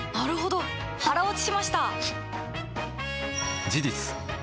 腹落ちしました！